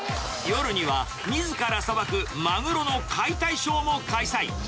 夜には、みずからさばくマグロの解体ショーも開催。